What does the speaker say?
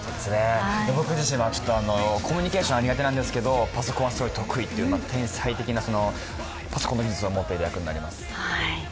僕自身はコミュニケーションは苦手なんですけど、パソコンはすごい得意という天才的なパソコンの技術を持っている役になります。